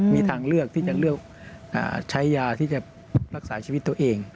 มีทางเลือกที่จะเลือกใช้ยาที่จะรักษาชีวิตตัวเอง